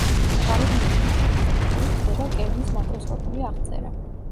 გარეგნული ნიშნების მიხედვით, ხდება კერნის მაკროსკოპული აღწერა.